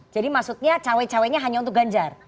jadi maksudnya cewek ceweknya hanya untuk ganjar